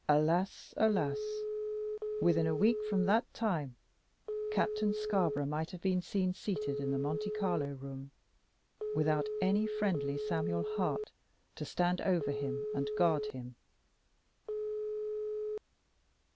Alas, alas! Within a week from that time Captain Scarborough might have been seen seated in the Monte Carlo room, without any friendly Samuel Hart to stand over him and guard him.